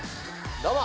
どうも。